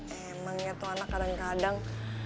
emangnya tuh anak kadang kadang